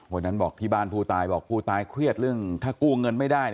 วันนั้นบอกที่บ้านผู้ตายบอกผู้ตายเครียดเรื่องถ้ากู้เงินไม่ได้